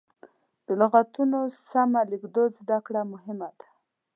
د لغتونو سمه لیکدود زده کړه مهمه ده.